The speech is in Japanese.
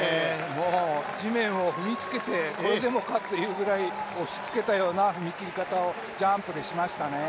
地面を踏みつけて、これでもかというぐらい押しつけたような踏切方をジャンプでしましたね。